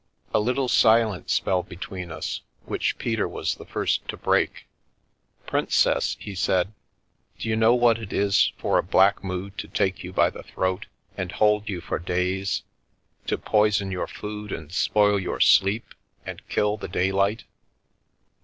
A little silence fell between us, which Peter was the first to break. " Princess/' he said, " d'you know what it is for a black mood to take you by the throat and hold you for days, to poison your food and spoil your sleep and kill the daylight?"